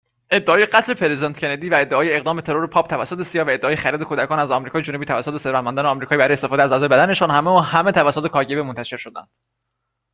ادعای قتل پرزیدنت کندی و ادعای اقدام به ترور پاپ توسط CIA، و ادعای خرید کودکان از آمریکای جنوبی توسط ثروتمندان آمریکایی برای استفاده از اعضای بدنشان همه و همه توسط کاگب منتشر شدند